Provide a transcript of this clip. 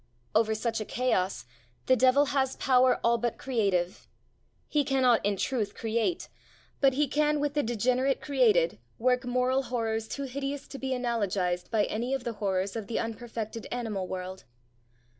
Over such a chaos the devil has power all but creative. He cannot in truth create, but he can, with the degenerate created, work moral horrors too hideous to be analogized by any of the horrors of the unperfected animal world.